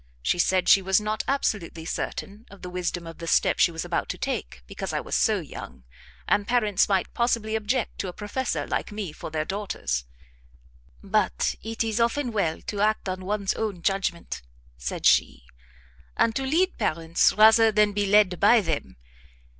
She said she was not absolutely certain of the wisdom of the step she was about to take, because I was so young, and parents might possibly object to a professor like me for their daughters: "But it is often well to act on one's own judgment," said she, "and to lead parents, rather than be led by them.